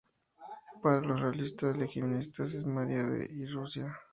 Para los realistas legitimistas es María I de Rusia.